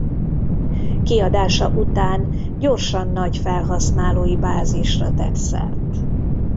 Kiadása után gyorsan nagy felhasználói bázisra tett szert.